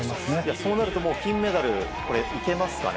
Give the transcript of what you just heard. そうなると金メダルいけますかね？